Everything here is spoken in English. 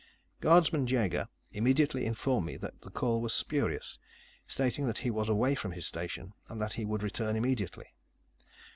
Guardsman Jaeger immediately informed me that the call was spurious, stating that he was away from his station, and that he would return immediately.